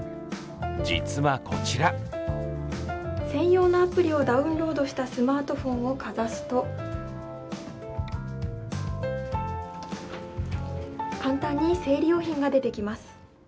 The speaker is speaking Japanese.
実はこちら専用のアプリをダウンロードしたスマートフォンをかざすと簡単に生理用品が出てきます。